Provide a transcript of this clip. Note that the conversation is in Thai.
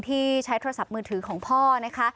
ที่ใช้โทรศัพท์มือถือของพ่อนะคะ